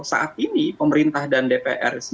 saat ini pemerintah dan dpr